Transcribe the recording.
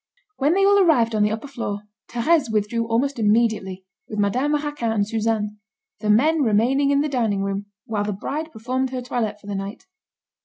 When they all arrived on the upper floor, Thérèse withdrew almost immediately, with Madame Raquin and Suzanne, the men remaining in the dining room, while the bride performed her toilet for the night.